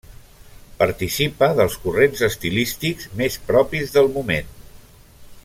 Participa dels corrents estilístics més propis del moment.